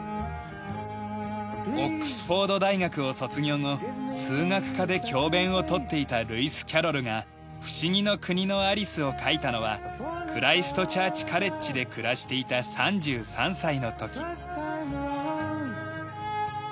オックスフォード大学を卒業後数学科で教鞭を執っていたルイス・キャロルが『不思議の国のアリス』を書いたのはクライスト・チャーチ・カレッジで暮らしていた３３歳の時。